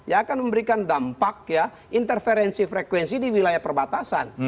akan memberikan dampak interferensi frekuensi di wilayah perbatasan